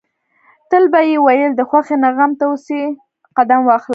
تل به يې ويل د خوښۍ نه غم ته اسې قدم واخله.